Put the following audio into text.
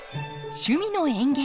「趣味の園芸」